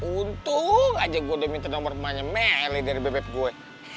untung aja gue udah minta nomor rumahnya meli dari bebet gue